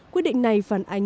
quyết định này phản ánh